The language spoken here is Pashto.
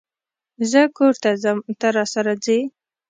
زه کور ته ځم ته، راسره ځئ؟